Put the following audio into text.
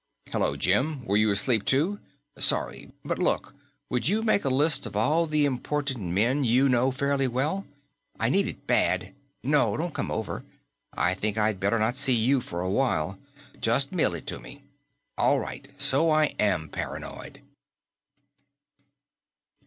"Hello, Jim? Were you asleep too?... Sorry.... But look, would you make a list of all the important men you know fairly well? I need it bad.... No, don't come over. I think I'd better not see you for a while. Just mail it to me.... All right, so I am paranoid...."